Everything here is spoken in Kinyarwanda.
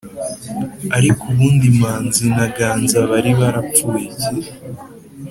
ariko ubundi manzi na ganza bari barapfuye iki.